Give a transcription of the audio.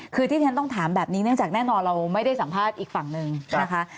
คือที่ที่ฉันต้องถามแบบนี้เนื่องจากแน่นอนเราไม่ได้สัมภาษณ์อีกฝั่งหนึ่งนะคะ